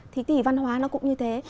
thì thì văn hóa nó cũng như thế